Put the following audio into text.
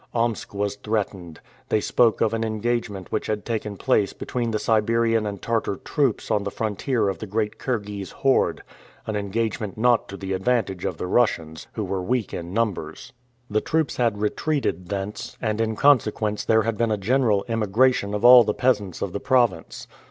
Omsk was threatened. They spoke of an engagement which had taken place between the Siberian and Tartar troops on the frontier of the great Kirghese horde an engagement not to the advantage of the Russians, who were weak in numbers. The troops had retreated thence, and in consequence there had been a general emigration of all the peasants of the province.